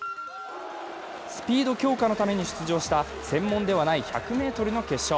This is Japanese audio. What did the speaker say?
スピード強化のために出場した、専門ではない１００ｍの決勝。